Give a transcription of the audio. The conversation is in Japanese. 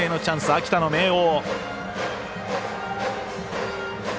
秋田の明桜。